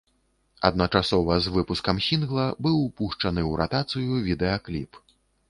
Адначасова з выпускам сінгла быў пушчаны ў ратацыю відэакліп.